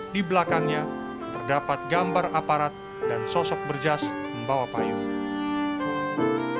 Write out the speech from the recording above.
di belakangnya terdapat gambar aparat dan sosok berjas membawa payung